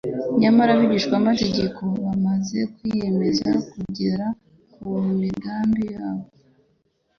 Nyamara abigishamategeko bamaze kwiyemeza kugera ku migambi yabo